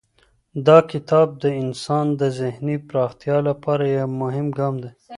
دا کتاب د انسان د ذهني پراختیا لپاره یو مهم ګام دی.